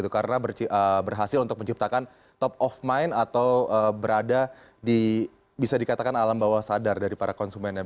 karena berhasil untuk menciptakan top of mind atau berada di bisa dikatakan alam bawah sadar dari para konsumen